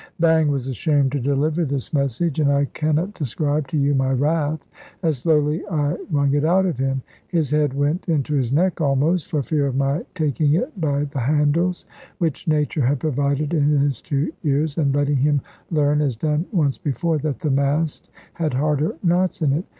Bang was ashamed to deliver this message; and I cannot describe to you my wrath, as slowly I wrung it out of him. His head went into his neck almost, for fear of my taking it by the handles, which nature had provided in his two ears, and letting him learn (as done once before) that the mast had harder knots in it.